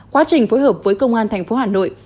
quá trình phối hợp với công an thành phố hà nội